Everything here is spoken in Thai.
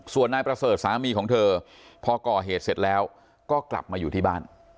ส่วนนายประเสริฐสามีของเธอพอก่อเหตุเสร็จแล้วก็กลับมาอยู่ที่บ้าน